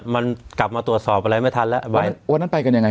มันกลับมาตรวจสอบอะไรไม่ทันแล้ววันนั้นไปกันยังไง